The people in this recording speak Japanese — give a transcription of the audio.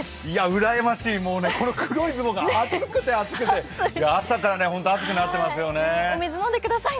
うらやましい、この黒いズボンが暑くて暑くて朝からホント、暑くなってますよね